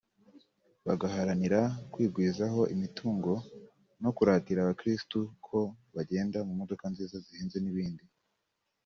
bagaharanira kwigwizaho imitungo no kuratira abakirisitu ko bagenda mu modoka nziza zihenze n’ibindi